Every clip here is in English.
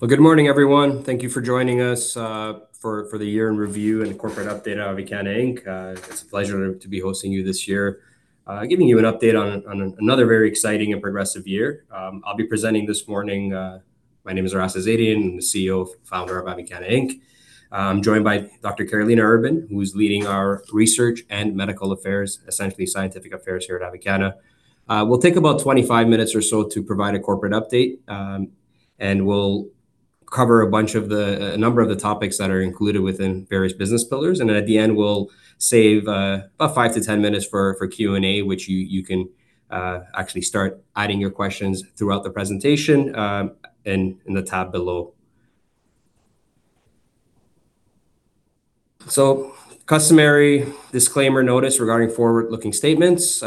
Well, good morning, everyone. Thank you for joining us for the year in review and corporate update of Avicanna Inc.. It's a pleasure to be hosting you this year, giving you an update on another very exciting and progressive year. I'll be presenting this morning. My name is Aras Azadian. I'm the CEO and founder of Avicanna Inc., joined by Dr. Karolina Urban, who is leading our research and medical affairs, essentially scientific affairs here at Avicanna. We'll take about 25 minutes or so to provide a corporate update, and we'll cover a bunch of the number of the topics that are included within various business pillars. And at the end, we'll save about 5-10 minutes for Q&A, which you can actually start adding your questions throughout the presentation in the tab below. So, customary disclaimer notice regarding forward-looking statements.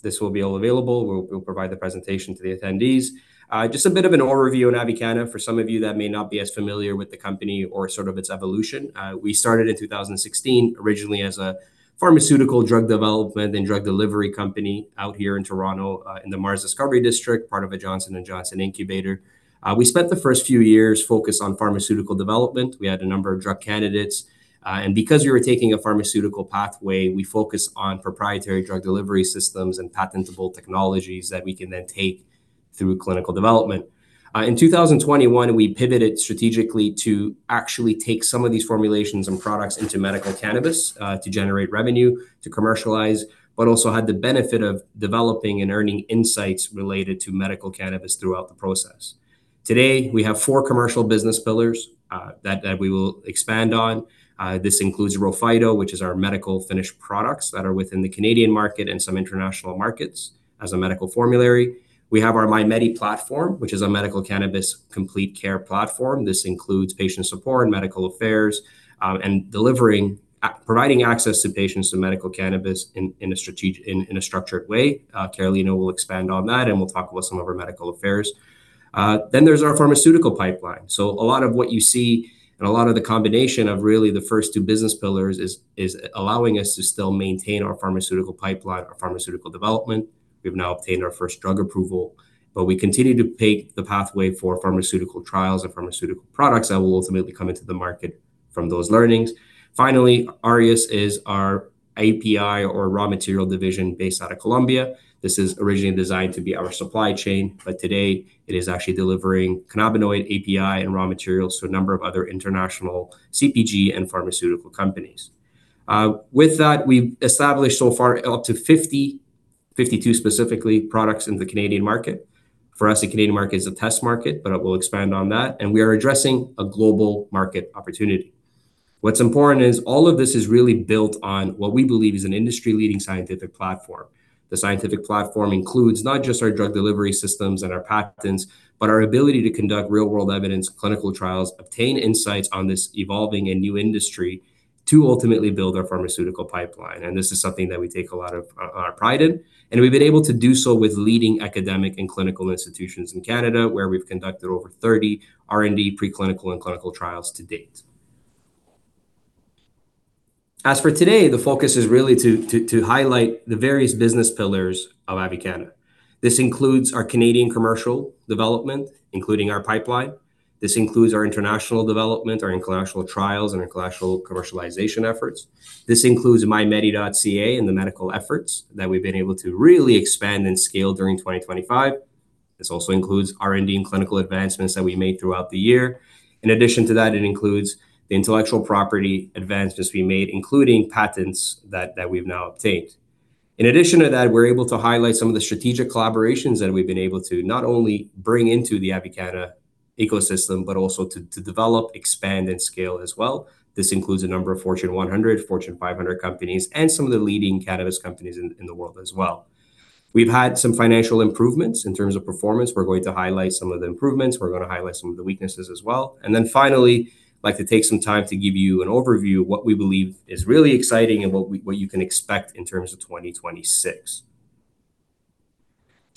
This will be all available. We'll provide the presentation to the attendees. Just a bit of an overview on Avicanna for some of you that may not be as familiar with the company or sort of its evolution. We started in 2016, originally as a pharmaceutical drug development and drug delivery company out here in Toronto in the MaRS Discovery District, part of the Johnson & Johnson Incubator. We spent the first few years focused on pharmaceutical development. We had a number of drug candidates. And because we were taking a pharmaceutical pathway, we focused on proprietary drug delivery systems and patentable technologies that we can then take through clinical development. In 2021, we pivoted strategically to actually take some of these formulations and products into medical cannabis to generate revenue, to commercialize, but also had the benefit of developing and earning insights related to medical cannabis throughout the process. Today, we have four commercial business pillars that we will expand on. This includes RHO Phyto, which is our medical finished products that are within the Canadian market and some international markets as a medical formulary. We have our MyMedi platform, which is a medical cannabis complete care platform. This includes patient support, medical affairs, and providing access to patients to medical cannabis in a strategic, in a structured way. Karolina will expand on that, and we'll talk about some of our medical affairs. Then there's our pharmaceutical pipeline. So a lot of what you see and a lot of the combination of really the first two business pillars is allowing us to still maintain our pharmaceutical pipeline, our pharmaceutical development. We've now obtained our first drug approval, but we continue to pave the pathway for pharmaceutical trials and pharmaceutical products that will ultimately come into the market from those learnings. Finally, Aureus is our API or raw material division based out of Colombia. This is originally designed to be our supply chain, but today it is actually Canabinoid API and raw materials to a number of other international CPG and pharmaceutical companies. With that, we've established so far up to 50, 52 specifically products in the Canadian market. For us, the Canadian market is a test market, but we'll expand on that and we are addressing a global market opportunity. What's important is all of this is really built on what we believe is an industry-leading scientific platform. The scientific platform includes not just our drug delivery systems and our patents, but our ability to conduct real-world evidence, clinical trials, obtain insights on this evolving and new industry to ultimately build our pharmaceutical pipeline, and this is something that we take a lot of pride in. We've been able to do so with leading academic and clinical institutions in Canada, where we've conducted over 30 R&D preclinical and clinical trials to date. As for today, the focus is really to highlight the various business pillars of Avicanna. This includes our Canadian commercial development, including our pipeline. This includes our international development, our international trials, and our commercialization efforts. This includes MyMedi.ca and the medical efforts that we've been able to really expand and scale during 2025. This also includes R&D and clinical advancements that we made throughout the year. In addition to that, it includes the intellectual property advancements we made, including patents that we've now obtained. In addition to that, we're able to highlight some of the strategic collaborations that we've been able to not only bring into the Avicanna ecosystem, but also to develop, expand, and scale as well. This includes a number of Fortune 100, Fortune 500 companies, and some of the leading cannabis companies in the world as well. We've had some financial improvements in terms of performance. We're going to highlight some of the improvements. We're going to highlight some of the weaknesses as well, and then finally, I'd like to take some time to give you an overview of what we believe is really exciting and what you can expect in terms of 2026.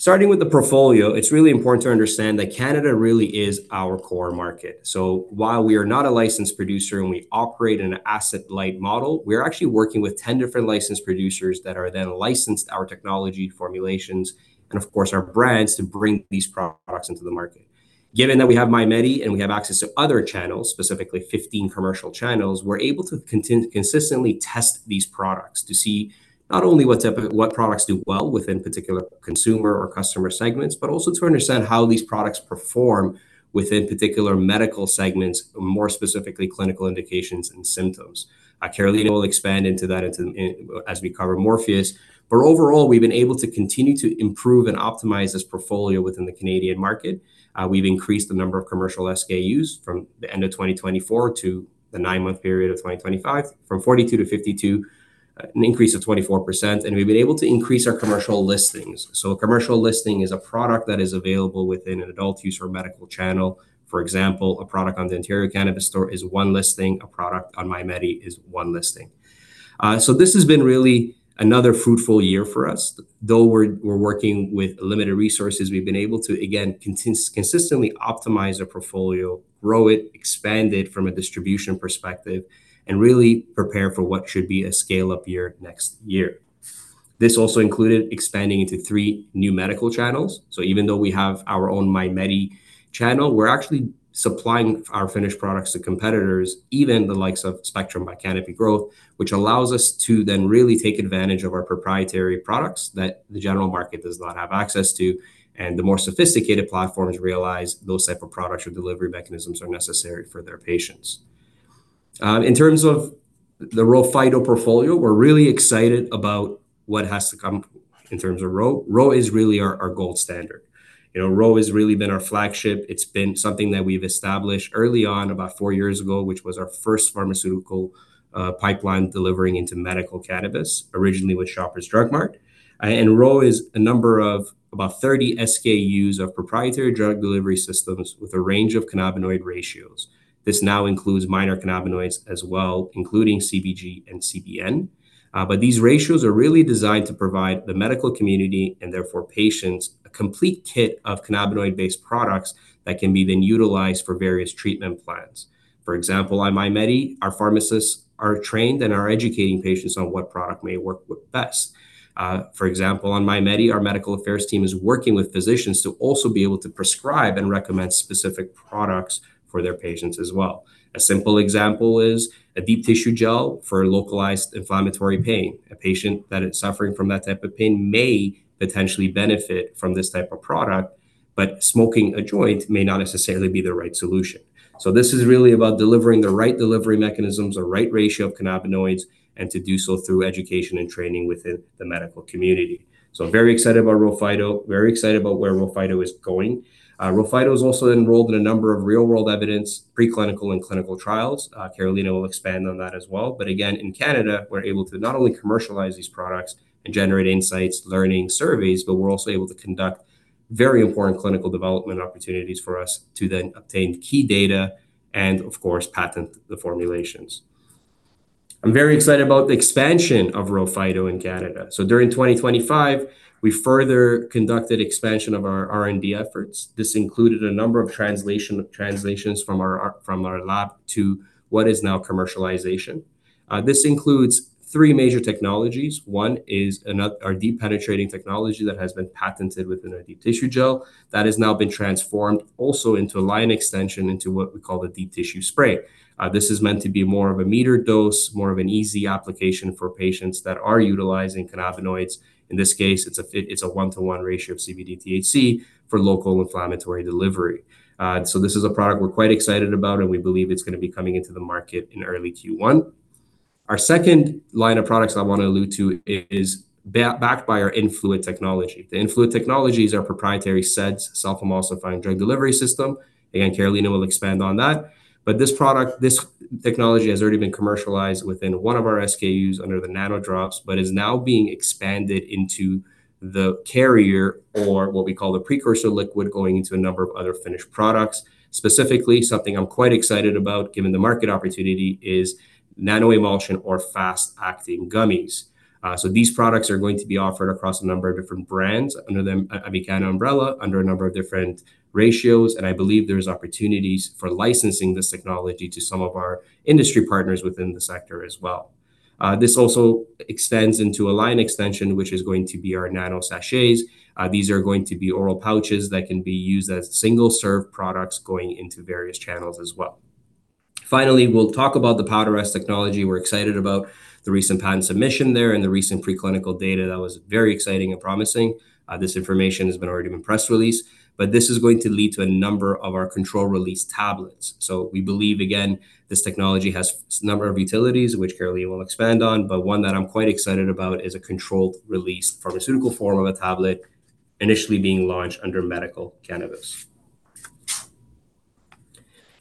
Starting with the portfolio, it's really important to understand that Canada really is our core market. So while we are not a licensed producer and we operate in an asset-light model, we are actually working with 10 different licensed producers that are then licensed our technology formulations and, of course, our brands to bring these products into the market. Given that we have MyMedi and we have access to other channels, specifically 15 commercial channels, we're able to consistently test these products to see not only what products do well within particular consumer or customer segments, but also to understand how these products perform within particular medical segments, more specifically clinical indications and symptoms. Karolina will expand into that as we cover Morpheus. But overall, we've been able to continue to improve and optimize this portfolio within the Canadian market. We've increased the number of commercial SKUs from the end of 2024 to the nine-month period of 2025, from 42 to 52, an increase of 24%. And we've been able to increase our commercial listings. So a commercial listing is a product that is available within an adult use or medical channel. For example, a product on the Ontario Cannabis Store is one listing. A product on MyMedi is one listing. So this has been really another fruitful year for us. Though we're working with limited resources, we've been able to, again, consistently optimize our portfolio, grow it, expand it from a distribution perspective, and really prepare for what should be a scale-up year next year. This also included expanding into three new medical channels. So even though we have our own MyMedi channel, we're actually supplying our finished products to competitors, even the likes of Spectrum by Canopy Growth, which allows us to then really take advantage of our proprietary products that the general market does not have access to. And the more sophisticated platforms realize those types of products or delivery mechanisms are necessary for their patients. In terms of the RHO Phyto portfolio, we're really excited about what has to come in terms of RHO. RHO is really our gold standard. RHO has really been our flagship. It's been something that we've established early on about four years ago, which was our first pharmaceutical pipeline delivering into medical cannabis, originally with Shoppers Drug Mart, and RHO is a number of about 30 SKUs of proprietary drug delivery systems with a range of cannabinoid ratios. This now includes minor cannabinoids as well, including CBG and CBN, but these ratios are really designed to provide the medical community and therefore patients a complete kit of cannabinoid-based products that can be then utilized for various treatment plans. For example, on MyMedi, our pharmacists are trained and are educating patients on what product may work best. For example, on MyMedi, our medical affairs team is working with physicians to also be able to prescribe and recommend specific products for their patients as well. A simple example is a deep tissue gel for localized inflammatory pain. A patient that is suffering from that type of pain may potentially benefit from this type of product, but smoking a joint may not necessarily be the right solution. So this is really about delivering the right delivery mechanisms, the right ratio of cannabinoids, and to do so through education and training within the medical community. So I'm very excited about RHO Phyto, very excited about where RHO Phyto is going. RHO Phyto is also enrolled in a number of real-world evidence, preclinical and clinical trials. Karolina will expand on that as well. But again, in Canada, we're able to not only commercialize these products and generate insights, learning surveys, but we're also able to conduct very important clinical development opportunities for us to then obtain key data and, of course, patent the formulations. I'm very excited about the expansion of RHO Phyto in Canada. So during 2025, we further conducted expansion of our R&D efforts. This included a number of translations from our lab to what is now commercialization. This includes three major technologies. One is our deep penetrating technology that has been patented within a deep tissue gel that has now been transformed also into a line extension into what we call the deep tissue spray. This is meant to be more of a meter dose, more of an easy application for patients that are utilizing cannabinoids. In this case, it's a one-to-one ratio of CBD to THC for local inflammatory delivery. So this is a product we're quite excited about, and we believe it's going to be coming into the market in early Q1. Our second line of products I want to allude to is backed by our Influit technology. The Influit technology is our proprietary SEDDS, self-emulsifying drug delivery system. Again, Karolina will expand on that. But this product, this technology has already been commercialized within one of our SKUs under the nano drops, but is now being expanded into the carrier or what we call the precursor liquid going into a number of other finished products. Specifically, something I'm quite excited about, given the market opportunity, is nanoemulsion or fast-acting gummies. So these products are going to be offered across a number of different brands under the Avicanna umbrella, under a number of different ratios. And I believe there's opportunities for licensing this technology to some of our industry partners within the sector as well. This also extends into a line extension, which is going to be our nano sachets. These are going to be oral pouches that can be used as single-serve products going into various channels as well. Finally, we'll talk about the pwdRx technology. We're excited about the recent patent submission there and the recent preclinical data that was very exciting and promising. This information has already been press released, but this is going to lead to a number of our controlled-release tablets. So we believe, again, this technology has a number of utilities, which Karolina will expand on. But one that I'm quite excited about is a controlled-release pharmaceutical form of a tablet initially being launched under medical cannabis.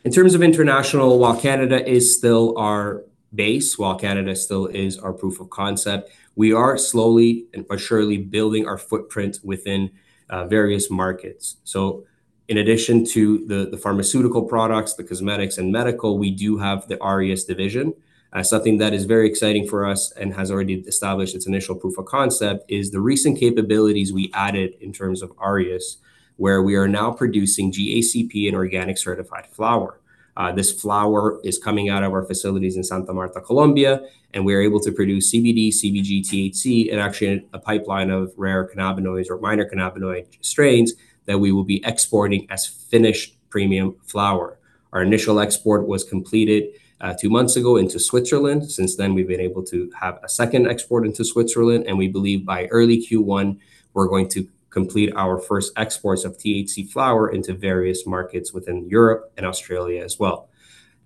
In terms of international, while Canada is still our base, while Canada still is our proof of concept, we are slowly and surely building our footprint within various markets. So in addition to the pharmaceutical products, the cosmetics, and medical, we do have the Aureus division. Something that is very exciting for us and has already established its initial proof of concept is the recent capabilities we added in terms of Aureus, where we are now producing GACP and organic certified flower. This flower is coming out of our facilities in Santa Marta, Colombia, and we are able to produce CBD, CBG, THC, and actually a pipeline of rare cannabinoids or minor cannabinoid strains that we will be exporting as finished premium flower. Our initial export was completed two months ago into Switzerland. Since then, we've been able to have a second export into Switzerland, and we believe by early Q1, we're going to complete our first exports of THC flower into various markets within Europe and Australia as well.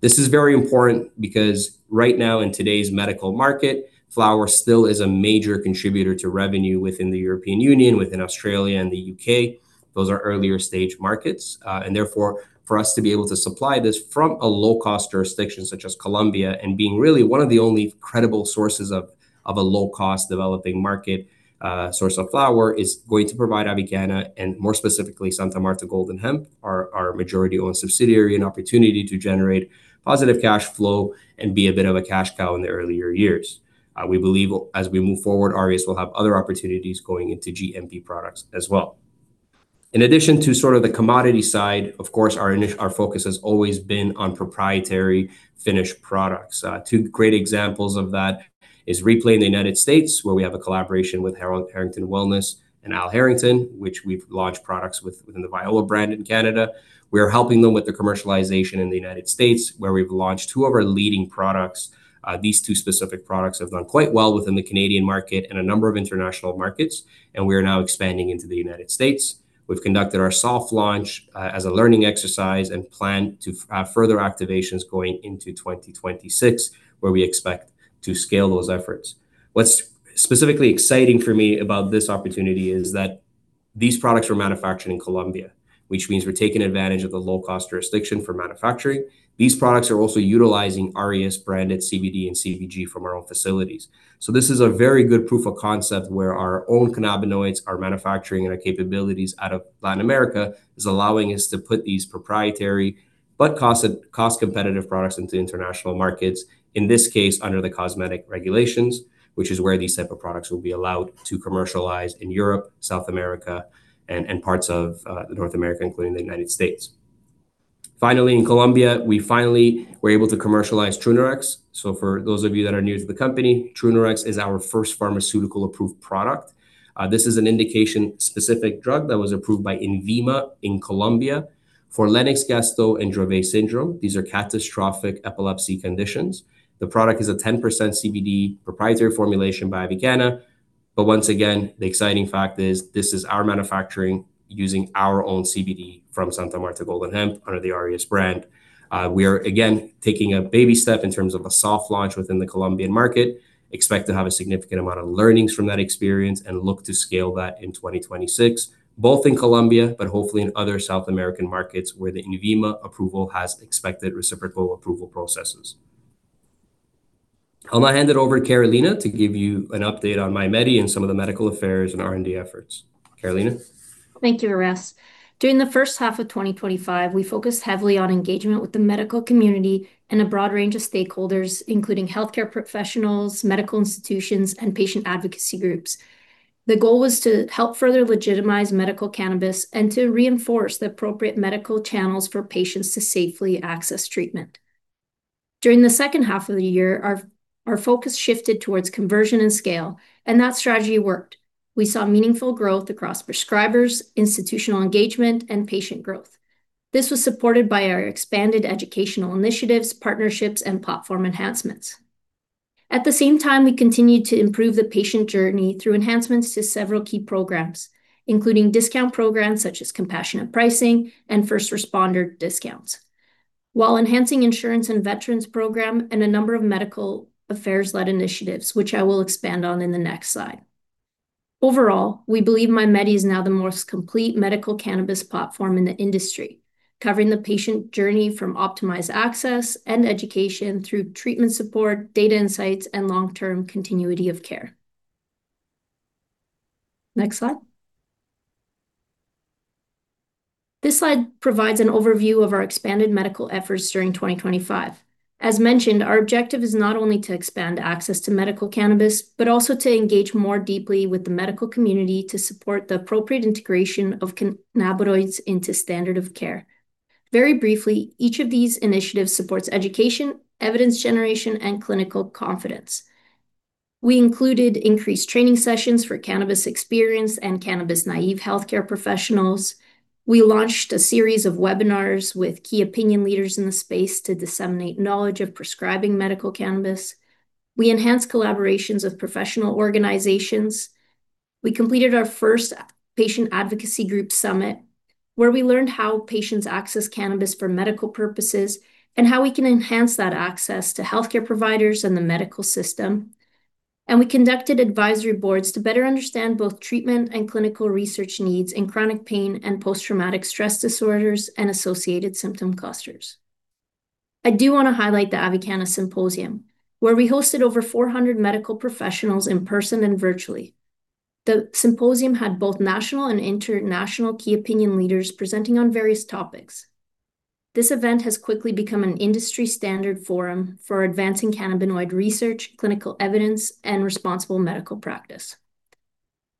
This is very important because right now, in today's medical market, flower still is a major contributor to revenue within the European Union, within Australia and the U.K.. Those are earlier stage markets, and therefore, for us to be able to supply this from a low-cost jurisdiction such as Colombia and being really one of the only credible sources of a low-cost developing market source of flower is going to provide Avicanna and more specifically Santa Marta Golden Hemp, our majority-owned subsidiary, an opportunity to generate positive cash flow and be a bit of a cash cow in the earlier years. We believe as we move forward, Aras will have other opportunities going into GMP products as well. In addition to sort of the commodity side, of course, our focus has always been on proprietary finished products. Two great examples of that is Re+Play in the United States, where we have a collaboration with Harrington Wellness and Al Harrington, which we've launched products within the Viola brand in Canada. We are helping them with the commercialization in the United States, where we've launched two of our leading products. These two specific products have done quite well within the Canadian market and a number of international markets, and we are now expanding into the United States. We've conducted our soft launch as a learning exercise and plan to have further activations going into 2026, where we expect to scale those efforts. What's specifically exciting for me about this opportunity is that these products are manufactured in Colombia, which means we're taking advantage of the low-cost jurisdiction for manufacturing. These products are also utilizing Aureus-branded CBD and CBG from our own facilities. This is a very good proof of concept where our own cannabinoids are manufacturing and our capabilities out of Latin America is allowing us to put these proprietary but cost-competitive products into international markets, in this case under the cosmetic regulations, which is where these types of products will be allowed to commercialize in Europe, South America, and parts of North America, including the United States. Finally, in Colombia, we finally were able to commercialize Trunerox. For those of you that are new to the company, Trunerox is our first pharmaceutical-approved product. This is an indication-specific drug that was approved by INVIMA in Colombia for Lennox-Gastaut and Dravet syndrome. These are catastrophic epilepsy conditions. The product is a 10% CBD proprietary formulation by Avicanna. Once again, the exciting fact is this is our manufacturing using our own CBD from Santa Marta Golden Hemp under the Aureus brand. We are, again, taking a baby step in terms of a soft launch within the Colombian market. Expect to have a significant amount of learnings from that experience and look to scale that in 2026, both in Colombia, but hopefully in other South American markets where the INVIMA approval has expected reciprocal approval processes. I'll now hand it over to Karolina to give you an update on MyMedi and some of the medical affairs and R&D efforts. Karolina. Thank you, Aras. During the first half of 2025, we focused heavily on engagement with the medical community and a broad range of stakeholders, including healthcare professionals, medical institutions, and patient advocacy groups. The goal was to help further legitimize medical cannabis and to reinforce the appropriate medical channels for patients to safely access treatment. During the second half of the year, our focus shifted towards conversion and scale, and that strategy worked. We saw meaningful growth across prescribers, institutional engagement, and patient growth. This was supported by our expanded educational initiatives, partnerships, and platform enhancements. At the same time, we continued to improve the patient journey through enhancements to several key programs, including discount programs such as compassionate pricing and first responder discounts, while enhancing insurance and veterans program and a number of medical affairs-led initiatives, which I will expand on in the next slide. Overall, we believe MyMedi is now the most complete medical cannabis platform in the industry, covering the patient journey from optimized access and education through treatment support, data insights, and long-term continuity of care. Next slide. This slide provides an overview of our expanded medical efforts during 2025. As mentioned, our objective is not only to expand access to medical cannabis, but also to engage more deeply with the medical community to support the appropriate integration of cannabinoids into standard of care. Very briefly, each of these initiatives supports education, evidence generation, and clinical confidence. We included increased training sessions for cannabis-experienced and cannabis-naïve healthcare professionals. We launched a series of webinars with key opinion leaders in the space to disseminate knowledge of prescribing medical cannabis. We enhanced collaborations with professional organizations. We completed our first patient advocacy group summit, where we learned how patients access cannabis for medical purposes and how we can enhance that access to healthcare providers and the medical system, and we conducted advisory boards to better understand both treatment and clinical research needs in chronic pain and post-traumatic stress disorders and associated symptom clusters. I do want to highlight the Avicanna Symposium, where we hosted over 400 medical professionals in person and virtually. The symposium had both national and international key opinion leaders presenting on various topics. This event has quickly become an industry-standard forum for advancing cannabinoid research, clinical evidence, and responsible medical practice.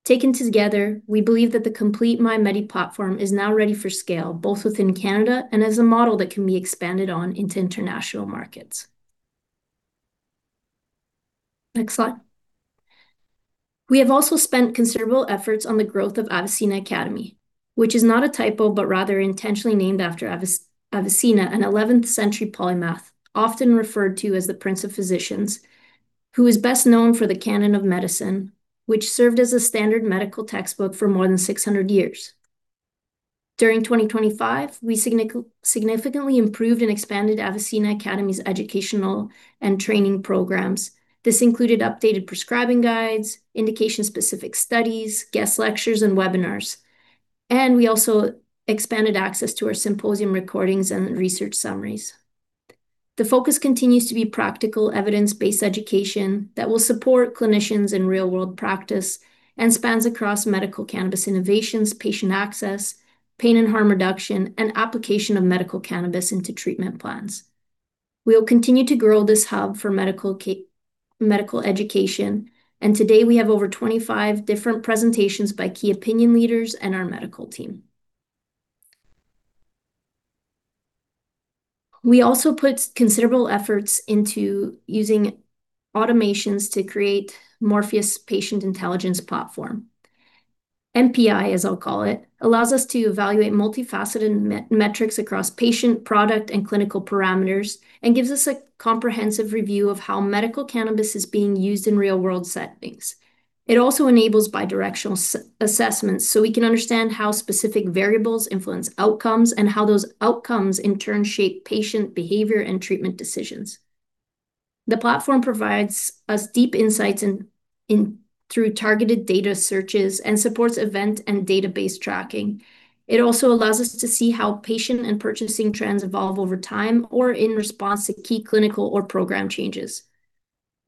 Taken together, we believe that the complete MyMedi platform is now ready for scale, both within Canada and as a model that can be expanded on into international markets. Next slide. We have also spent considerable efforts on the growth of Avicenna Academy, which is not a typo, but rather intentionally named after Avicenna, an 11th-century polymath, often referred to as the prince of physicians, who is best known for the Canon of Medicine, which served as a standard medical textbook for more than 600 years. During 2025, we significantly improved and expanded Avicenna Academy's educational and training programs. This included updated prescribing guides, indication-specific studies, guest lectures, and webinars, and we also expanded access to our symposium recordings and research summaries. The focus continues to be practical evidence-based education that will support clinicians in real-world practice and spans across medical cannabis innovations, patient access, pain and harm reduction, and application of medical cannabis into treatment plans. We will continue to grow this hub for medical education, and today, we have over 25 different presentations by key opinion leaders and our medical team. We also put considerable efforts into using automations to create Morpheus patient intelligence platform. MPI, as I'll call it, allows us to evaluate multifaceted metrics across patient, product, and clinical parameters and gives us a comprehensive review of how medical cannabis is being used in real-world settings. It also enables bidirectional assessments so we can understand how specific variables influence outcomes and how those outcomes, in turn, shape patient behavior and treatment decisions. The platform provides us deep insights through targeted data searches and supports event and database tracking. It also allows us to see how patient and purchasing trends evolve over time or in response to key clinical or program changes.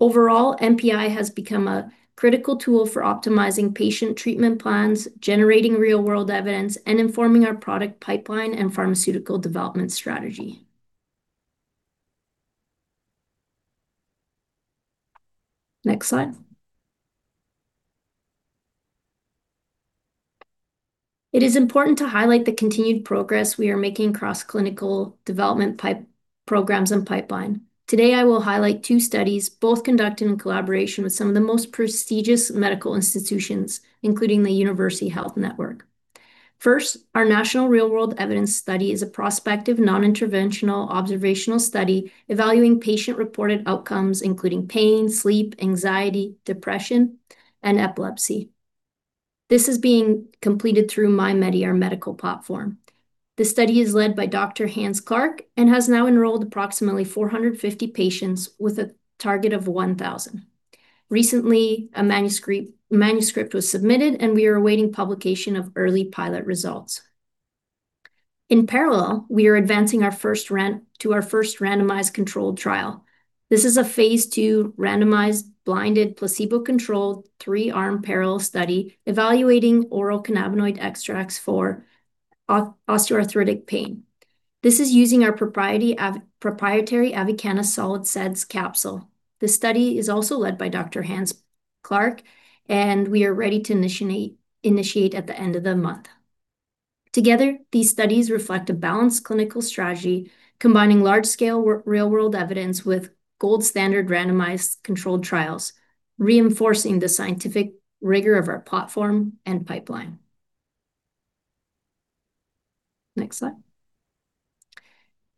Overall, MPI has become a critical tool for optimizing patient treatment plans, generating real-world evidence, and informing our product pipeline and pharmaceutical development strategy. Next slide. It is important to highlight the continued progress we are making across clinical development programs and pipeline. Today, I will highlight two studies, both conducted in collaboration with some of the most prestigious medical institutions, including the University Health Network. First, our national real-world evidence study is a prospective non-interventional observational study evaluating patient-reported outcomes, including pain, sleep, anxiety, depression, and epilepsy. This is being completed through MyMedi, our medical platform. The study is led by Dr. Hance Clarke and has now enrolled approximately 450 patients with a target of 1,000. Recently, a manuscript was submitted, and we are awaiting publication of early pilot results. In parallel, we are advancing our first randomized controlled trial. This is a phase two randomized blinded placebo-controlled three-arm parallel study evaluating oral cannabinoid extracts for osteoarthritic pain. This is using our proprietary Avicanna Solid Dose capsule. The study is also led by Dr. Hance Clarke, and we are ready to initiate at the end of the month. Together, these studies reflect a balanced clinical strategy, combining large-scale real-world evidence with gold-standard randomized controlled trials, reinforcing the scientific rigor of our platform and pipeline. Next slide.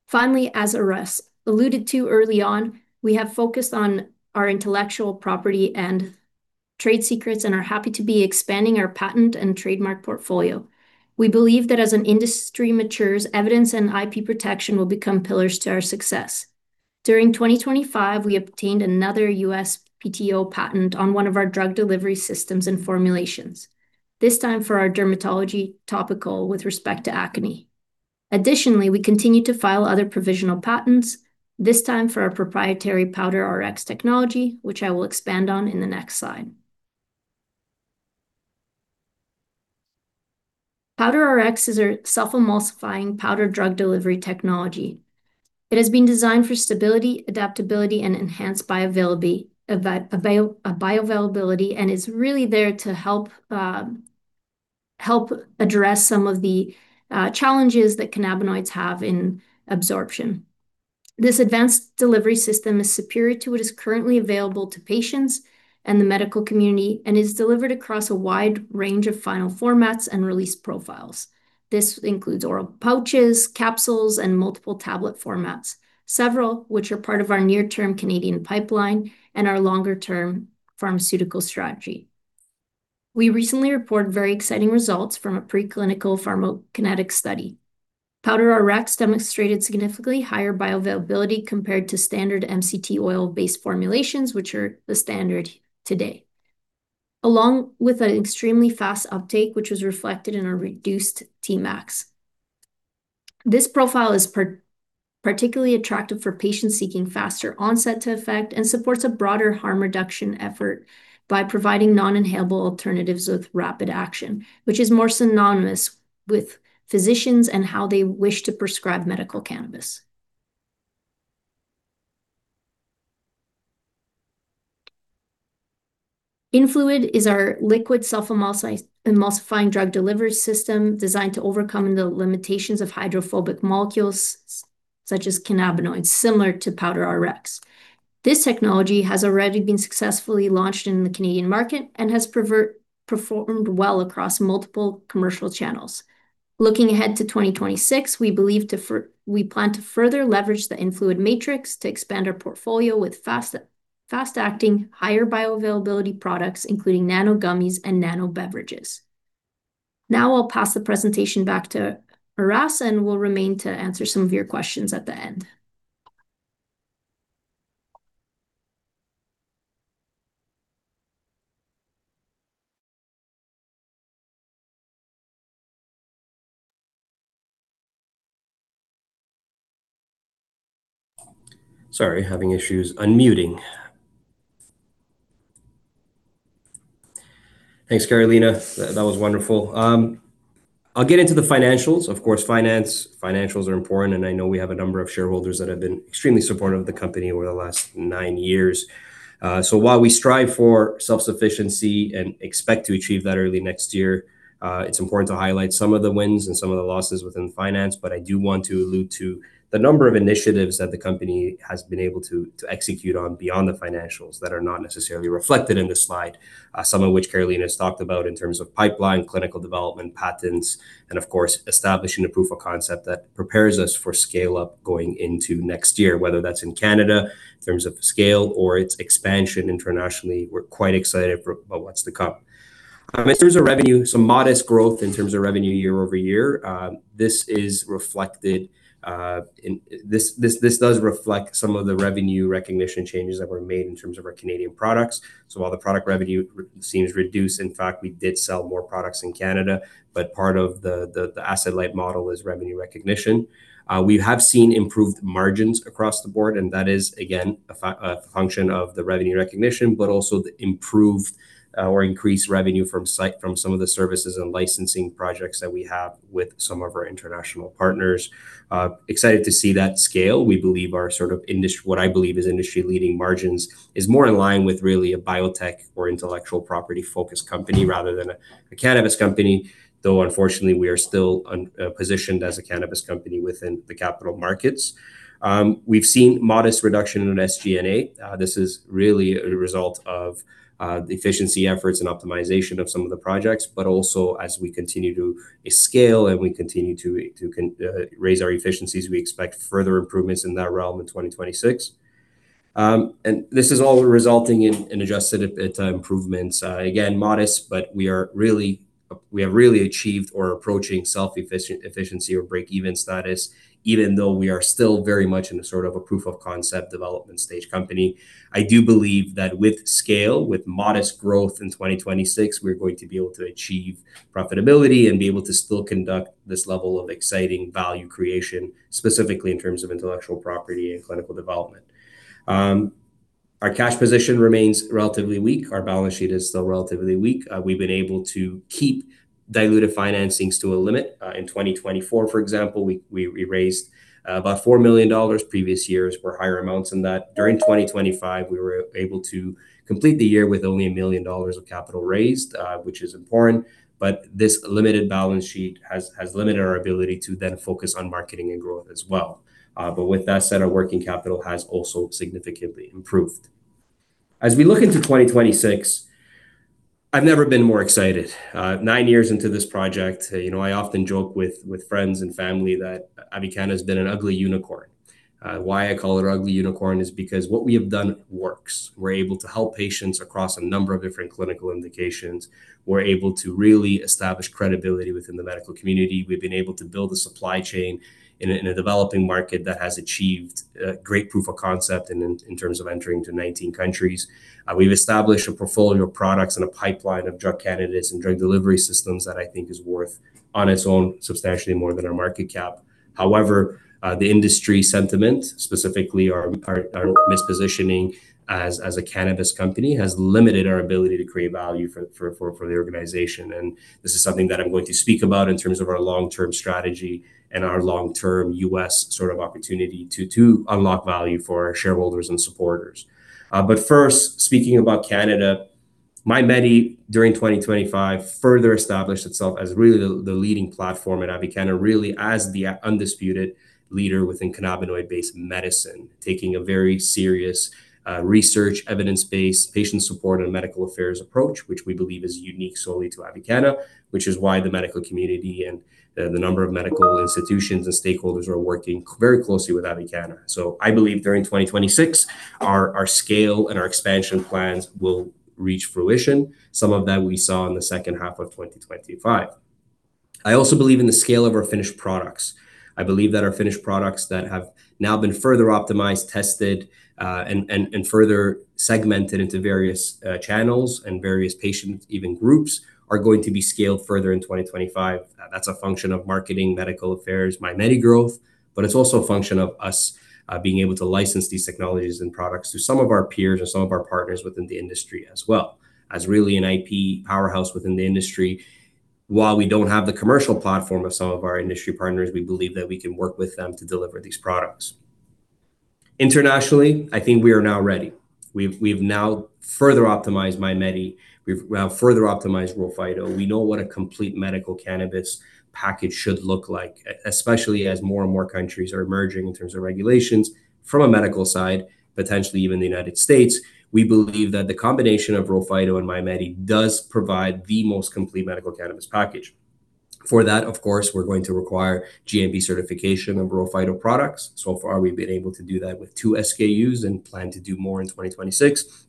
Finally, as Aras alluded to early on, we have focused on our intellectual property and trade secrets and are happy to be expanding our patent and trademark portfolio. We believe that as an industry matures, evidence and IP protection will become pillars to our success. During 2025, we obtained another U.S. PTO patent on one of our drug delivery systems and formulations, this time for our dermatology topical with respect to acne. Additionally, we continue to file other provisional patents, this time for our proprietary PwdRx technology, which I will expand on in the next slide. PwdRx is a self-emulsifying powder drug delivery technology. It has been designed for stability, adaptability, and enhanced bioavailability, and is really there to help address some of the challenges that cannabinoids have in absorption. This advanced delivery system is superior to what is currently available to patients and the medical community and is delivered across a wide range of final formats and release profiles. This includes oral pouches, capsules, and multiple tablet formats, several of which are part of our near-term Canadian pipeline and our longer-term pharmaceutical strategy. We recently reported very exciting results from a preclinical pharmacokinetic study. PwdRx demonstrated significantly higher bioavailability compared to standard MCT oil-based formulations, which are the standard today, along with an extremely fast uptake, which was reflected in our reduced Tmax. This profile is particularly attractive for patients seeking faster onset to effect and supports a broader harm reduction effort by providing non-inhalable alternatives with rapid action, which is more synonymous with physicians and how they wish to prescribe medical cannabis. Influid is our liquid self-emulsifying drug delivery system designed to overcome the limitations of hydrophobic molecules such as cannabinoids, similar to PwdRx. This technology has already been successfully launched in the Canadian market and has performed well across multiple commercial channels. Looking ahead to 2026, we believe we plan to further leverage the Influid matrix to expand our portfolio with fast-acting, higher bioavailability products, including nano gummies and nano beverages. Now I'll pass the presentation back to Aras, and we'll remain to answer some of your questions at the end. Sorry, having issues unmuting. Thanks, Karolina. That was wonderful. I'll get into the financials. Of course, financials are important, and I know we have a number of shareholders that have been extremely supportive of the company over the last nine years. So while we strive for self-sufficiency and expect to achieve that early next year, it's important to highlight some of the wins and some of the losses within finance. But I do want to allude to the number of initiatives that the company has been able to execute on beyond the financials that are not necessarily reflected in this slide, some of which Karolina has talked about in terms of pipeline, clinical development, patents, and of course, establishing a proof of concept that prepares us for scale-up going into next year, whether that's in Canada in terms of scale or its expansion internationally. We're quite excited about what's to come. In terms of revenue, some modest growth in terms of revenue year-over-year. This is reflected. This does reflect some of the revenue recognition changes that were made in terms of our Canadian products. So, while the product revenue seems reduced, in fact, we did sell more products in Canada, but part of the asset-light model is revenue recognition. We have seen improved margins across the board, and that is, again, a function of the revenue recognition, but also the improved or increased revenue from some of the services and licensing projects that we have with some of our international partners. Excited to see that scale. We believe our sort of what I believe is industry-leading margins is more in line with really a biotech or intellectual property-focused company rather than a cannabis company, though unfortunately, we are still positioned as a cannabis company within the capital markets. We've seen modest reduction in SG&A. This is really a result of the efficiency efforts and optimization of some of the projects, but also as we continue to scale and we continue to raise our efficiencies, we expect further improvements in that realm in 2026. And this is all resulting in adjusted improvements. Again, modest, but we have really achieved or approaching self-sufficiency or break-even status, even though we are still very much in a sort of a proof of concept development stage company. I do believe that with scale, with modest growth in 2026, we're going to be able to achieve profitability and be able to still conduct this level of exciting value creation, specifically in terms of intellectual property and clinical development. Our cash position remains relatively weak. Our balance sheet is still relatively weak. We've been able to keep dilutive financings to a limit. In 2024, for example, we raised about $4 million previous years. We're higher amounts than that. During 2025, we were able to complete the year with only $1 million of capital raised, which is important. But this limited balance sheet has limited our ability to then focus on marketing and growth as well. But with that said, our working capital has also significantly improved. As we look into 2026, I've never been more excited. Nine years into this project, I often joke with friends and family that Avicanna has been an ugly unicorn. Why I call it an ugly unicorn is because what we have done works. We're able to help patients across a number of different clinical indications. We're able to really establish credibility within the medical community. We've been able to build a supply chain in a developing market that has achieved great proof of concept in terms of entering to 19 countries. We've established a portfolio of products and a pipeline of drug candidates and drug delivery systems that I think is worth on its own substantially more than our market cap. However, the industry sentiment, specifically our mispositioning as a cannabis company, has limited our ability to create value for the organization, and this is something that I'm going to speak about in terms of our long-term strategy and our long-term U.S. sort of opportunity to unlock value for our shareholders and supporters. But first, speaking about Canada, MyMedi.ca during 2025 further established itself as really the leading platform at Avicanna, really as the undisputed leader within cannabinoid-based medicine, taking a very serious research, evidence-based, patient-supported medical affairs approach, which we believe is unique solely to Avicanna, which is why the medical community and the number of medical institutions and stakeholders are working very closely with Avicanna. So I believe during 2026, our scale and our expansion plans will reach fruition, some of that we saw in the second half of 2025. I also believe in the scale of our finished products. I believe that our finished products that have now been further optimized, tested, and further segmented into various channels and various patients, even groups, are going to be scaled further in 2025. That's a function of marketing, medical affairs, MyMedi growth, but it's also a function of us being able to license these technologies and products to some of our peers and some of our partners within the industry as well. As really an IP powerhouse within the industry, while we don't have the commercial platform of some of our industry partners, we believe that we can work with them to deliver these products. Internationally, I think we are now ready. We've now further optimized MyMedi. We have further optimized RHO Phyto. We know what a complete medical cannabis package should look like, especially as more and more countries are emerging in terms of regulations from a medical side, potentially even the United States. We believe that the combination of RHO Phyto and MyMedi does provide the most complete medical cannabis package. For that, of course, we're going to require GMP certification of RHO Phyto products. So far, we've been able to do that with two SKUs and plan to do more in 2026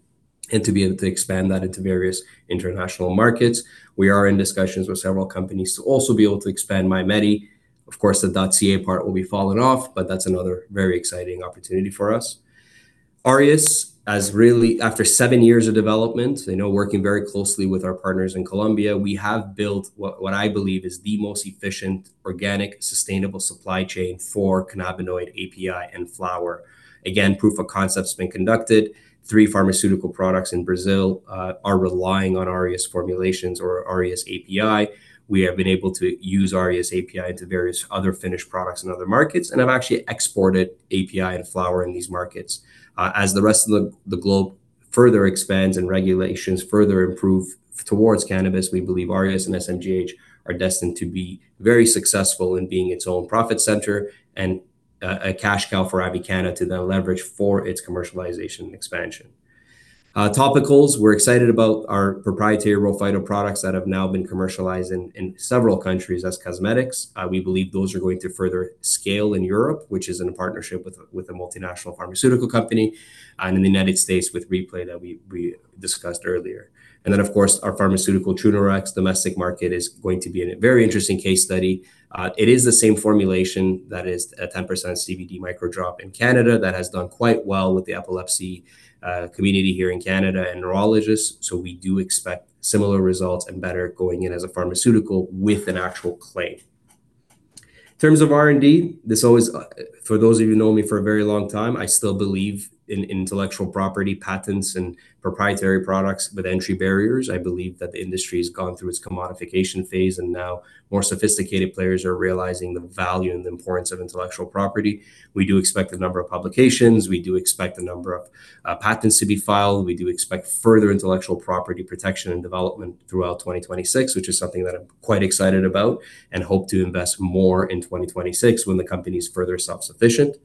and to be able to expand that into various international markets. We are in discussions with several companies to also be able to expand MyMedi. Of course, the .ca part will be falling off, but that's another very exciting opportunity for us. Aureus has really after seven years of development, I know working very closely with our partners in Colombia, we have built what I believe is the most efficient organic sustainable supply chain Cannabinoid API and flower. Again, proof of concept has been conducted. Three pharmaceutical products in Brazil are relying on Aureus formulations or Aureus API. We have been able to use Aureus API into various other finished products in other markets and have actually exported API and flower in these markets. As the rest of the globe further expands and regulations further improve towards cannabis, we believe Aureus and SMGH are destined to be very successful in being its own profit center and a cash cow for Avicanna to then leverage for its commercialization and expansion. Topicals, we're excited about our proprietary RHO Phyto products that have now been commercialized in several countries as cosmetics. We believe those are going to further scale in Europe, which is in a partnership with a multinational pharmaceutical company and in the United States with Replay that we discussed earlier. And then, of course, our pharmaceutical Trunerox domestic market is going to be a very interesting case study. It is the same formulation that is a 10% CBD microdrop in Canada that has done quite well with the epilepsy community here in Canada and neurologists. So we do expect similar results and better going in as a pharmaceutical with an actual claim, so we do expect similar results and better going in as a pharmaceutical with an actual claim. In terms of R&D, this always, for those of you who know me for a very long time, I still believe in intellectual property, patents, and proprietary products with entry barriers. I believe that the industry has gone through its commodification phase and now more sophisticated players are realizing the value and the importance of intellectual property. We do expect a number of publications. We do expect a number of patents to be filed. We do expect further intellectual property protection and development throughout 2026, which is something that I'm quite excited about and hope to invest more in 2026 when the company is further self-sufficient.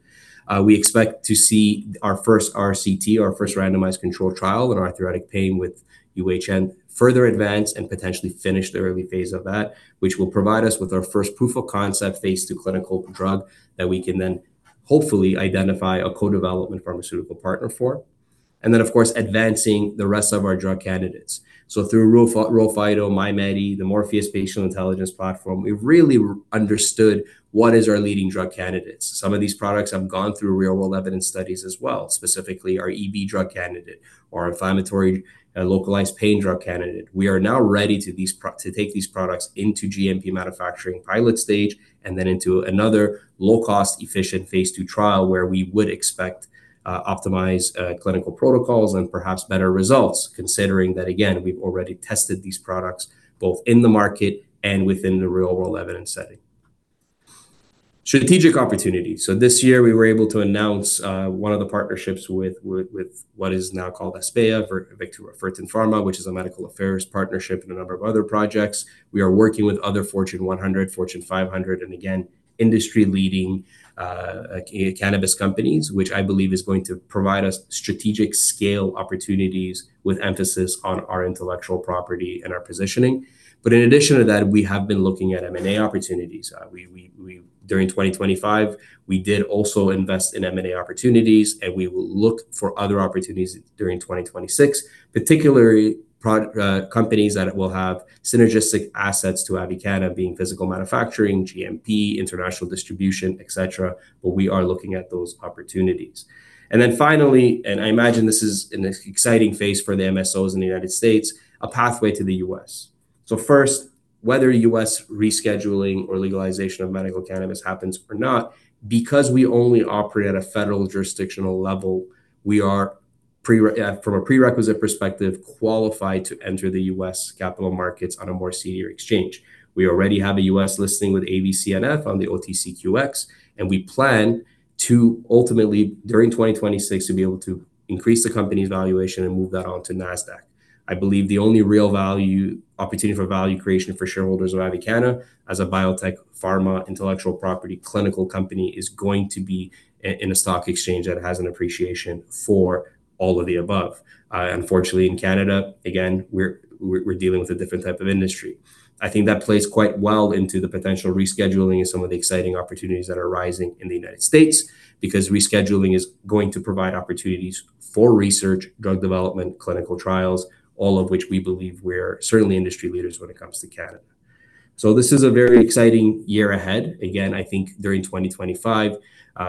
We expect to see our first RCT, our first randomized control trial in arthritic pain with UHN further advance and potentially finish the early phase of that, which will provide us with our first proof of concept phase II clinical drug that we can then hopefully identify a co-development pharmaceutical partner for. And then, of course, advancing the rest of our drug candidates. So through RHO Phyto, MyMedi.ca, the Morpheus patient intelligence platform, we've really understood what are our leading drug candidates. Some of these products have gone through real-world evidence studies as well, specifically our EB drug candidate or our inflammatory localized pain drug candidate. We are now ready to take these products into GMP manufacturing pilot stage and then into another low-cost, efficient phase two trial where we would expect optimized clinical protocols and perhaps better results, considering that, again, we've already tested these products both in the market and within the real-world evidence setting. Strategic opportunity. So this year, we were able to announce one of the partnerships with what is now called Aspeya Victorin Pharma, which is a medical affairs partnership and a number of other projects. We are working with other Fortune 100, Fortune 500, and again, industry-leading cannabis companies, which I believe is going to provide us strategic scale opportunities with emphasis on our intellectual property and our positioning. But in addition to that, we have been looking at M&A opportunities. During 2025, we did also invest in M&A opportunities, and we will look for other opportunities during 2026, particularly companies that will have synergistic assets to Avicanna, being physical manufacturing, GMP, international distribution, et cetera, but we are looking at those opportunities, and then finally, and I imagine this is an exciting phase for the MSOs in the United States, a pathway to the U.S., so first, whether U.S. rescheduling or legalization of medical cannabis happens or not, because we only operate at a federal jurisdictional level, we are, from a prerequisite perspective, qualified to enter the U.S. capital markets on a more senior exchange. We already have a U.S. listing with AVCNF on the OTCQX, and we plan to ultimately, during 2026, to be able to increase the company's valuation and move that on to NASDAQ. I believe the only real value opportunity for value creation for shareholders of Avicanna as a biotech, pharma, intellectual property, clinical company is going to be in a stock exchange that has an appreciation for all of the above. Unfortunately, in Canada, again, we're dealing with a different type of industry. I think that plays quite well into the potential rescheduling and some of the exciting opportunities that are rising in the United States because rescheduling is going to provide opportunities for research, drug development, clinical trials, all of which we believe we're certainly industry leaders when it comes to Canada. This is a very exciting year ahead. Again, I think during 2025,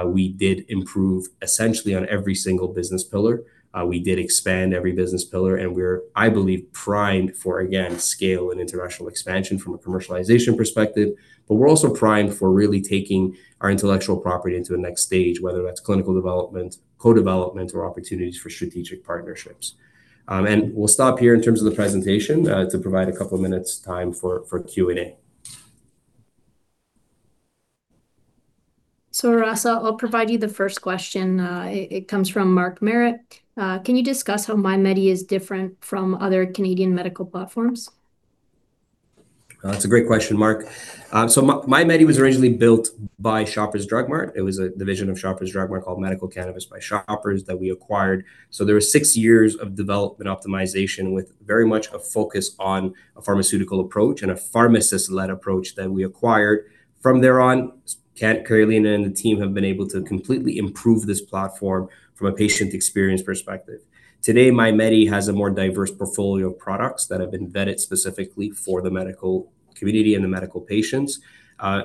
we did improve essentially on every single business pillar. We did expand every business pillar, and we're, I believe, primed for, again, scale and international expansion from a commercialization perspective. But we're also primed for really taking our intellectual property into the next stage, whether that's clinical development, co-development, or opportunities for strategic partnerships. And we'll stop here in terms of the presentation to provide a couple of minutes' time for Q&A. So, Aras, I'll provide you the first question. It comes from Mark Merrick. Can you discuss how MyMedi is different from other Canadian medical platforms? That's a great question, Mark. So MyMedi was originally built by Shoppers Drug Mart. It was a division of Shoppers Drug Mart called Medical Cannabis by Shoppers that we acquired. So there were six years of development optimization with very much a focus on a pharmaceutical approach and a pharmacist-led approach that we acquired. From there on, Kent Curlin and the team have been able to completely improve this platform from a patient experience perspective. Today, MyMedi has a more diverse portfolio of products that have been vetted specifically for the medical community and the medical patients.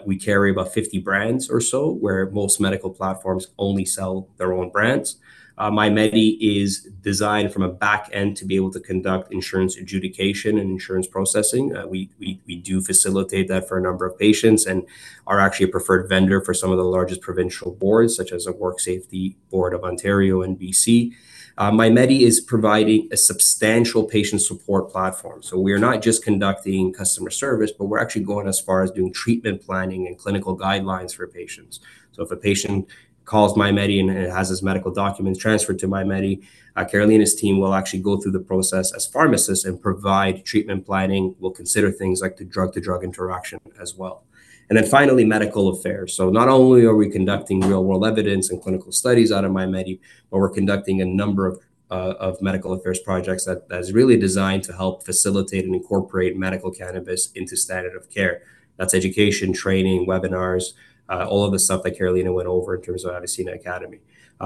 We carry about 50 brands or so, where most medical platforms only sell their own brands. MyMedi is designed from a back end to be able to conduct insurance adjudication and insurance processing. We do facilitate that for a number of patients and are actually a preferred vendor for some of the largest provincial boards, such as the Work Safety Board of Ontario and BC. MyMedi is providing a substantial patient support platform. We are not just conducting customer service, but we're actually going as far as doing treatment planning and clinical guidelines for patients. If a patient calls MyMedi and has his medical documents transferred to MyMedi, Karolina's team will actually go through the process as pharmacists and provide treatment planning. We'll consider things like the drug-to-drug interaction as well, and then finally, medical affairs, so not only are we conducting real-world evidence and clinical studies out of MyMedi, but we're conducting a number of medical affairs projects that are really designed to help facilitate and incorporate medical cannabis into standard of care. That's education, training, webinars, all of the stuff that Karolina went over in terms of Avicanna Academy.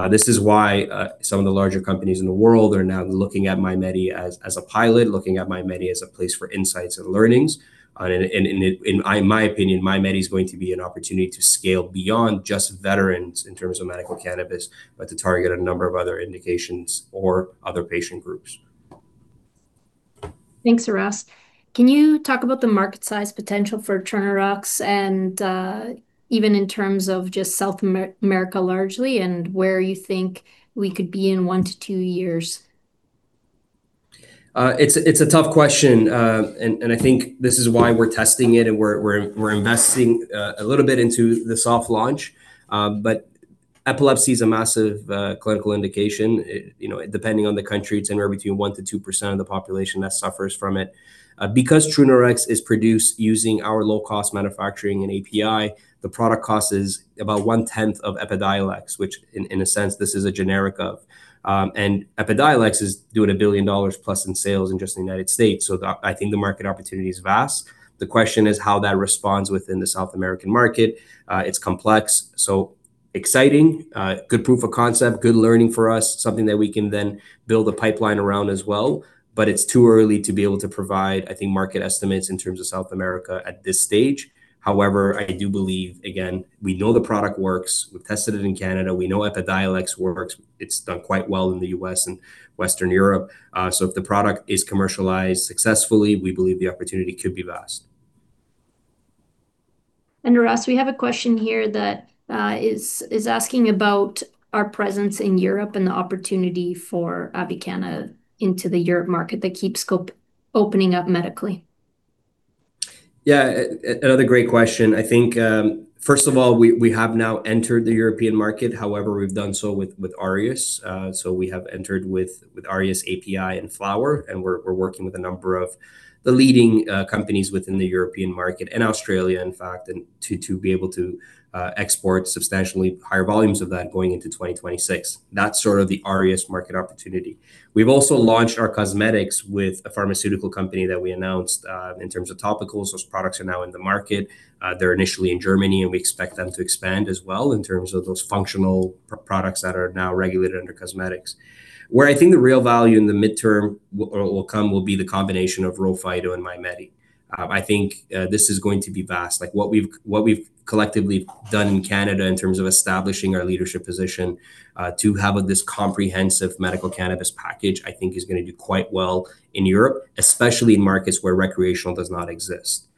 This is why some of the larger companies in the world are now looking at MyMedi as a pilot, looking at MyMedi as a place for insights and learnings. In my opinion, MyMedi is going to be an opportunity to scale beyond just veterans in terms of medical cannabis, but to target a number of other indications or other patient groups. Thanks, Aras. Can you talk about the market size potential for Trunerox and even in terms of just South America largely and where you think we could be in one to two years? It's a tough question, and I think this is why we're testing it and we're investing a little bit into the soft launch, but epilepsy is a massive clinical indication. Depending on the country, it's anywhere between 1%-2% of the population that suffers from it. Because Trunerox is produced using our low-cost manufacturing and API, the product cost is about one-tenth of Epidiolex, which in a sense, this is a generic of, and Epidiolex is doing $1 billion plus in sales in just the United States, so I think the market opportunity is vast. The question is how that responds within the South American market. It's complex. So exciting, good proof of concept, good learning for us, something that we can then build a pipeline around as well. But it's too early to be able to provide, I think, market estimates in terms of South America at this stage. However, I do believe, again, we know the product works. We've tested it in Canada. We know Epidiolex works. It's done quite well in the U.S. and Western Europe. So if the product is commercialized successfully, we believe the opportunity could be vast. And Aras, we have a question here that is asking about our presence in Europe and the opportunity for Avicanna into the Europe market that keeps opening up medically. Yeah, another great question. I think, first of all, we have now entered the European market. However, we've done so with Aras. So we have entered with Aureus API and flower, and we're working with a number of the leading companies within the European market and Australia, in fact, to be able to export substantially higher volumes of that going into 2026. That's sort of the Aureus market opportunity. We've also launched our cosmetics with a pharmaceutical company that we announced in terms of topicals. Those products are now in the market. They're initially in Germany, and we expect them to expand as well in terms of those functional products that are now regulated under cosmetics. Where I think the real value in the midterm will come will be the combination of RHO Phyto and MyMedi. I think this is going to be vast. What we've collectively done in Canada in terms of establishing our leadership position to have this comprehensive medical cannabis package, I think, is going to do quite well in Europe, especially in markets where recreational does not exist.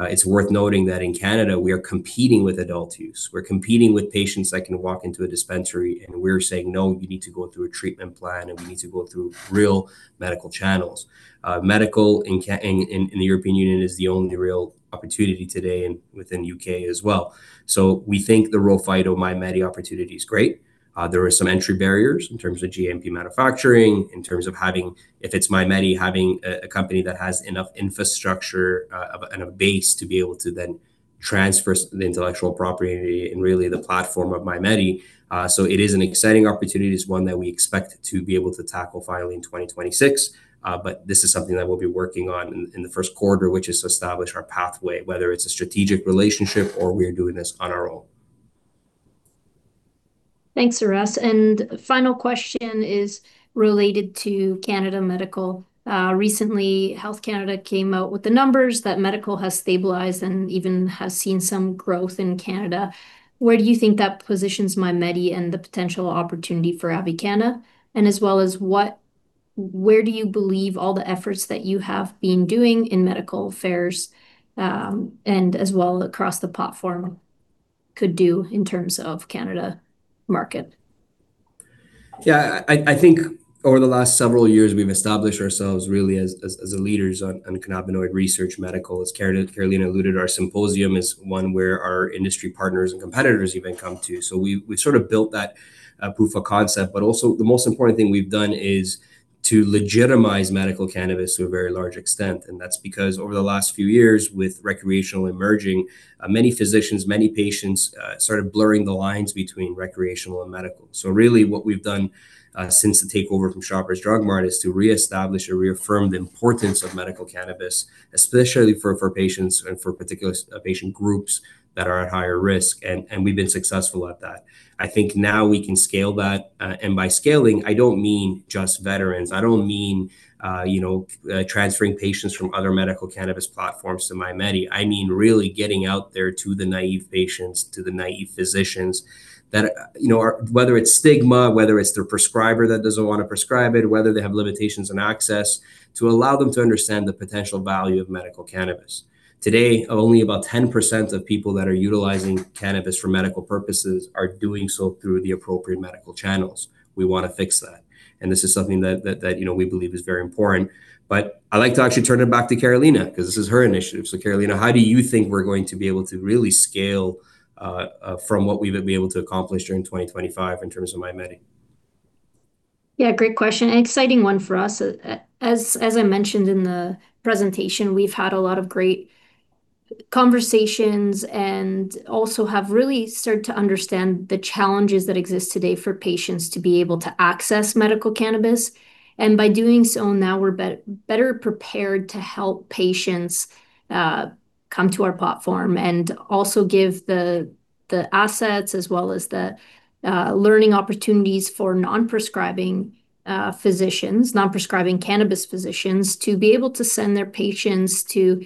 It's worth noting that in Canada, we are competing with adult use. We're competing with patients that can walk into a dispensary, and we're saying, "No, you need to go through a treatment plan, and we need to go through real medical channels." Medical in the European Union is the only real opportunity today and within the U.K. as well. So we think the RHO Phyto MyMedi opportunity is great. There are some entry barriers in terms of GMP manufacturing, in terms of having, if it's MyMedi, having a company that has enough infrastructure and a base to be able to then transfer the intellectual property and really the platform of MyMedi. It is an exciting opportunity. It's one that we expect to be able to tackle finally in 2026. But this is something that we'll be working on in the first quarter, which is to establish our pathway, whether it's a strategic relationship or we're doing this on our own. Thanks, Aras. The final question is related to Canada Medical. Recently, Health Canada came out with the numbers that medical has stabilized and even has seen some growth in Canada. Where do you think that positions MyMedi and the potential opportunity for Avicanna? And as well as what, where do you believe all the efforts that you have been doing in medical affairs and as well across the platform could do in terms of Canada market? Yeah, I think over the last several years, we've established ourselves really as leaders on cannabinoid research, medical. As Karolina alluded, our symposium is one where our industry partners and competitors even come to, so we've sort of built that proof of concept, but also, the most important thing we've done is to legitimize medical cannabis to a very large extent, and that's because over the last few years with recreational emerging, many physicians, many patients started blurring the lines between recreational and medical, so really, what we've done since the takeover from Shoppers Drug Mart is to reestablish or reaffirm the importance of medical cannabis, especially for patients and for particular patient groups that are at higher risk, and we've been successful at that. I think now we can scale that, and by scaling, I don't mean just veterans. I don't mean transferring patients from other medical cannabis platforms to MyMedi. I mean, really getting out there to the naive patients, to the naive physicians, that whether it's stigma, whether it's their prescriber that doesn't want to prescribe it, whether they have limitations on access, to allow them to understand the potential value of medical cannabis. Today, only about 10% of people that are utilizing cannabis for medical purposes are doing so through the appropriate medical channels. We want to fix that, and this is something that we believe is very important, but I'd like to actually turn it back to Karolina because this is her initiative, so Karolina, how do you think we're going to be able to really scale from what we've been able to accomplish during 2025 in terms of MyMedi? Yeah, great question. An exciting one for us. As I mentioned in the presentation, we've had a lot of great conversations and also have really started to understand the challenges that exist today for patients to be able to access medical cannabis. And by doing so now, we're better prepared to help patients come to our platform and also give the assets as well as the learning opportunities for non-prescribing physicians, non-prescribing cannabis physicians to be able to send their patients to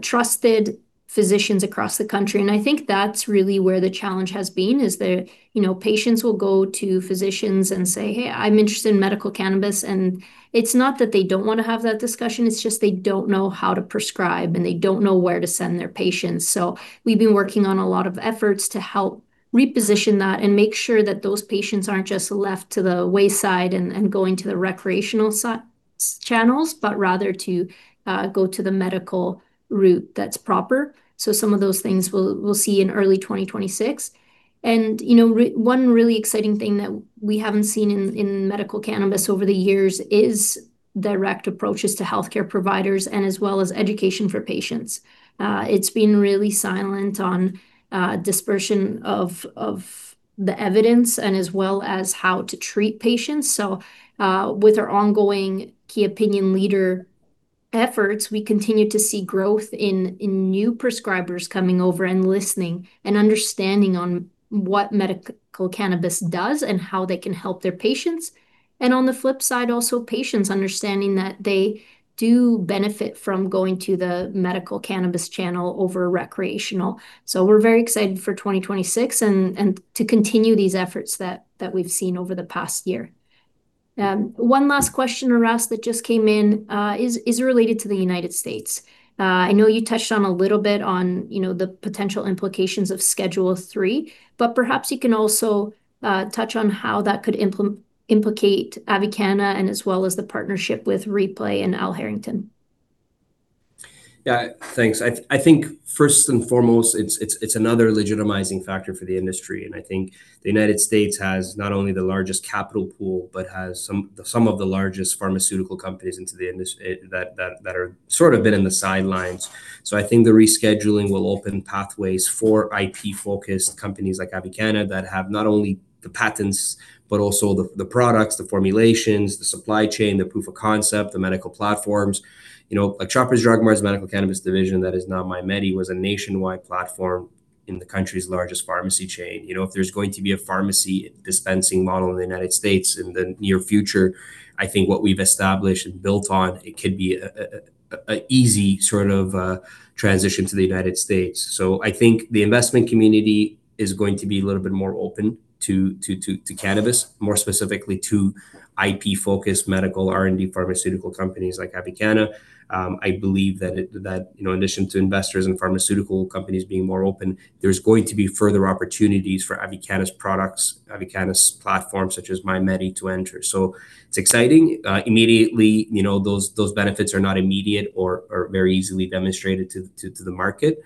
trusted physicians across the country. And I think that's really where the challenge has been is that patients will go to physicians and say, "Hey, I'm interested in medical cannabis." And it's not that they don't want to have that discussion. It's just they don't know how to prescribe and they don't know where to send their patients. So we've been working on a lot of efforts to help reposition that and make sure that those patients aren't just left to the wayside and going to the recreational channels, but rather to go to the medical route that's proper. So some of those things we'll see in early 2026. And one really exciting thing that we haven't seen in medical cannabis over the years is direct approaches to healthcare providers and as well as education for patients. It's been really silent on dispersion of the evidence and as well as how to treat patients. So with our ongoing key opinion leader efforts, we continue to see growth in new prescribers coming over and listening and understanding on what medical cannabis does and how they can help their patients. On the flip side, also patients understanding that they do benefit from going to the medical cannabis channel over recreational. We're very excited for 2026 and to continue these efforts that we've seen over the past year. One last question, Aras, that just came in is related to the United States. I know you touched on a little bit on the potential implications of Schedule III, but perhaps you can also touch on how that could implicate Avicanna and as well as the partnership with Replay and Al Harrington. Yeah, thanks. I think first and foremost, it's another legitimizing factor for the industry. I think the United States has not only the largest capital pool, but has some of the largest pharmaceutical companies that are sort of been in the sidelines. So I think the rescheduling will open pathways for IP-focused companies like Avicanna that have not only the patents, but also the products, the formulations, the supply chain, the proof of concept, the medical platforms. Like Shoppers Drug Mart's medical cannabis division that is now MyMedi was a nationwide platform in the country's largest pharmacy chain. If there's going to be a pharmacy dispensing model in the United States in the near future, I think what we've established and built on, it could be an easy sort of transition to the United States. So I think the investment community is going to be a little bit more open to cannabis, more specifically to IP-focused medical R&D pharmaceutical companies like Avicanna. I believe that in addition to investors and pharmaceutical companies being more open, there's going to be further opportunities for Avicanna's products, Avicanna's platform such as MyMedi to enter. It's exciting. Immediately, those benefits are not immediate or very easily demonstrated to the market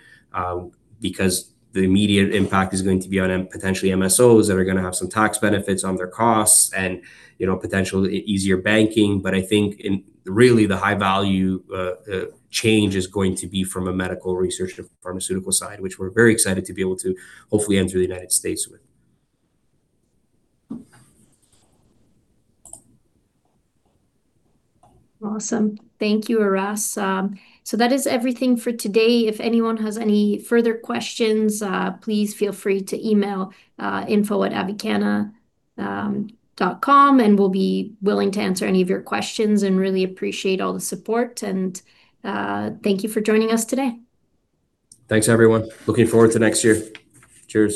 because the immediate impact is going to be on potentially MSOs that are going to have some tax benefits on their costs and potential easier banking. But I think really the high-value change is going to be from a medical research and pharmaceutical side, which we're very excited to be able to hopefully enter the United States with. Awesome. Thank you, Aras. So that is everything for today. If anyone has any further questions, please feel free to email info@avicanna.com, and we'll be willing to answer any of your questions and really appreciate all the support. And thank you for joining us today. Thanks, everyone. Looking forward to next year. Cheers.